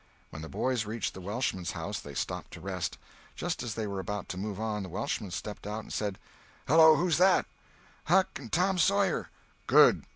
When the boys reached the Welshman's house, they stopped to rest. Just as they were about to move on, the Welshman stepped out and said: "Hallo, who's that?" "Huck and Tom Sawyer." "Good!